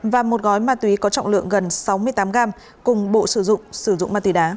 và một gói ma túy có trọng lượng gần sáu mươi tám gram cùng bộ sử dụng sử dụng ma túy đá